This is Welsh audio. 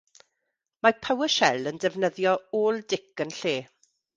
Mae PowerShell yn defnyddio ôl-dic yn lle.